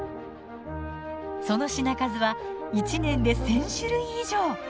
その品数は１年で１，０００種類以上。